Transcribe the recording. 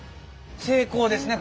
成功ですね？